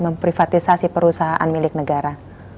memprivatisasi perusahaan milik negara